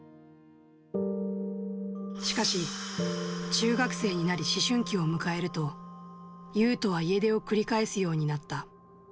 しかし、中学生になり、思春期を迎えると、ユウトは家出を繰り返すようになった。